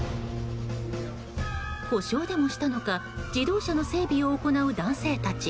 故障でもしたのか自動車の整備を行う男性たち。